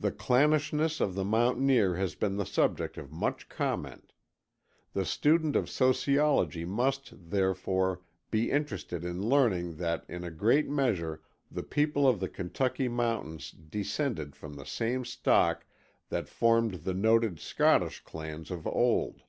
The clannishness of the mountaineer has been the subject of much comment. The student of sociology must, therefore, be interested in learning that in a great measure the people of the Kentucky mountains descended from the same stock that formed the noted Scottish clans of old.